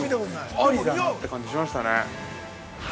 ◆ありだなって感じしましたね。